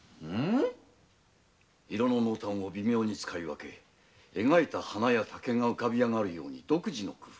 色の濃淡を微妙に使い分け描いた花や竹が浮かびあがるように独自の工夫。